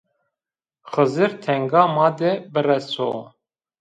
Xizir tenga ma de bireso